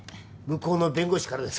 向こうの弁護士からですか？